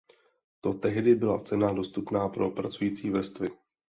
To tehdy byla cena dostupná pro pracující vrstvy.